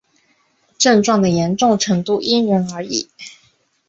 症状的严重程度因人而异。